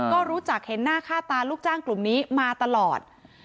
ก็รู้จักเห็นหน้าค่าตาลูกจ้างกลุ่มนี้มาตลอด